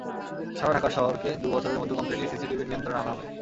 সারা ঢাকা শহরকে দুই বছরের মধ্যে কমপ্লিটলি সিসিটিভির নিয়ন্ত্রণে আনা যাবে।